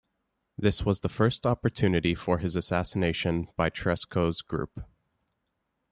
This was the first opportunity for his assassination by Tresckow's group.